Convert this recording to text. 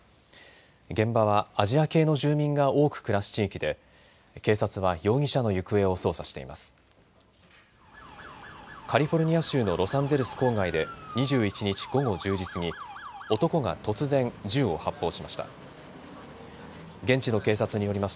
現場はアジア系の住民が多く暮らす地域で容疑者の行方を捜査しています。